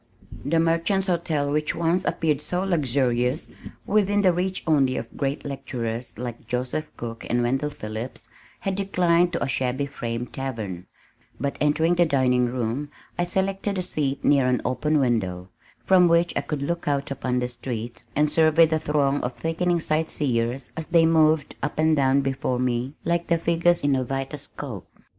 The Merchants' Hotel which once appeared so luxurious (within the reach only of great lecturers like Joseph Cook and Wendell Phillips) had declined to a shabby frame tavern, but entering the dining room I selected a seat near an open window, from which I could look out upon the streets and survey the throng of thickening sightseers as they moved up and down before me like the figures in a vitascope.